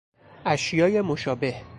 اشیای مشابه